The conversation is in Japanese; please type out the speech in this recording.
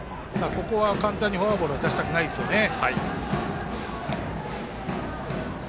ここは簡単にフォアボールを出したくないですね。